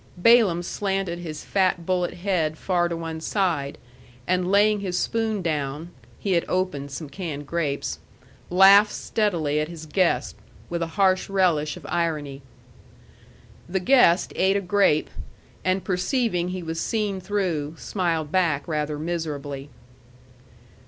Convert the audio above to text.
Balaam slanted his fat bullet head far to one side, and laying his spoon down (he had opened some canned grapes) laughed steadily at his guest with a harsh relish of irony. The guest ate a grape, and perceiving he was seen through, smiled back rather miserably.